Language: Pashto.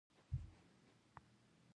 د پکتیکا په تروو کې د کرومایټ نښې شته.